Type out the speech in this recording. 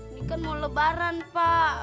ini kan mau lebaran pak